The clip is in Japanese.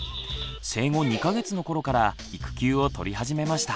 生後２か月の頃から育休をとり始めました。